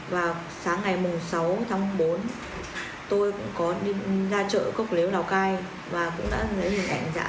vào sáng ngày sáu tháng bốn tôi cũng có đi ra chợ cốc lếu lào cai và cũng đã lấy hình ảnh giả